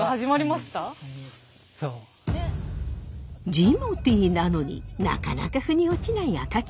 ジモティーなのになかなかふに落ちない赤木さん。